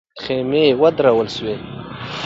خېمې ودرول سوې.